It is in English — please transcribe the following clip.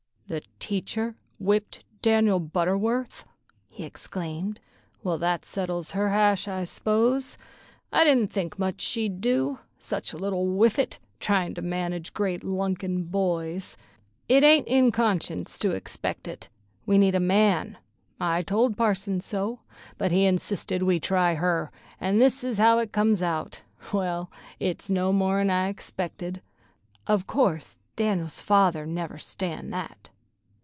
"The teacher whipped Daniel Butterworth!" he exclaimed. "Well, that settles her hash, I s'pose. I didn't much think she'd do, such a little whiffet tryin' to manage great lunkin boys. It ain't in conscience to expect it. We need a man. I told Parson so, but he insisted we try her, an' this is how it comes out. Well, it's no more'n I expected. Of course Dan'l's father'll never stand that."